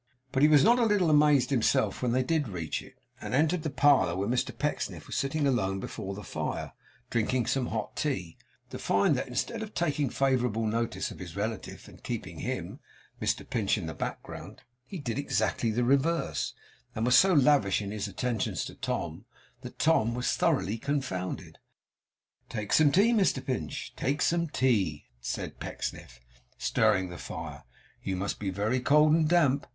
But he was not a little amazed himself, when they did reach it, and entered the parlour where Mr Pecksniff was sitting alone before the fire, drinking some hot tea, to find that instead of taking favourable notice of his relative and keeping him, Mr Pinch, in the background, he did exactly the reverse, and was so lavish in his attentions to Tom, that Tom was thoroughly confounded. 'Take some tea, Mr Pinch take some tea,' said Pecksniff, stirring the fire. 'You must be very cold and damp.